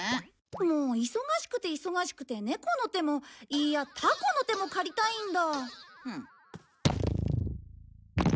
もう忙しくて忙しくて猫の手もいいやタコの手も借りたいんだ。